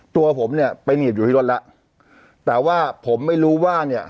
ตัวผมเนี่ยไปหนีบอยู่ที่รถแล้วแต่ว่าผมไม่รู้ว่าเนี่ย